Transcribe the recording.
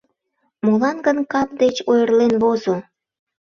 Молан гын кап деч ойырлен возо?